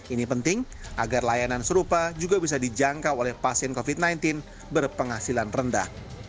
ini penting agar layanan serupa juga bisa dijangkau oleh pasien covid sembilan belas berpenghasilan rendah